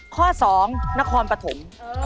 ข้อสองนครปฐม